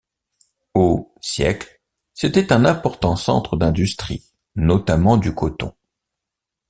Au siècle, c'était un important centre d'industrie, notamment du coton.